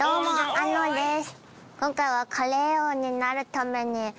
あのです。